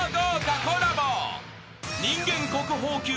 ［人間国宝級］